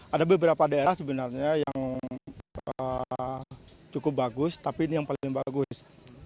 ada beberapa daerah sebenarnya yang cukup bagus tapi ini yang paling bagus